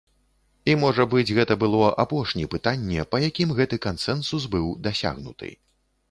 І, можа быць, гэта было апошні пытанне, па якім гэты кансэнсус быў дасягнуты.